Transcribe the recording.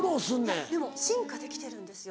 いやでも進化できてるんですよ。